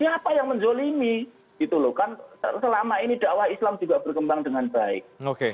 siapa yang menzolimi gitu loh kan selama ini dakwah islam juga berkembang dengan baik oke